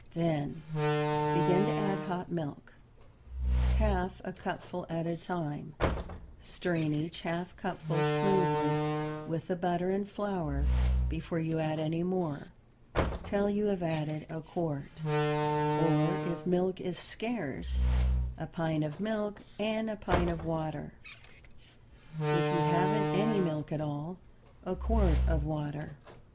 Then begin to add hot milk, half a cupful at a time, stirring each half cupful smoothly with the butter and flour before you add any more, till you have added a quart, or if milk is scarce a pint of milk and a pint of water. If you haven't any milk at all, a quart of water.